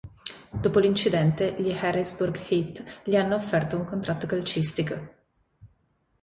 Dopo l'incidente, gli Harrisburg Heat gli hanno offerto un contratto calcistico.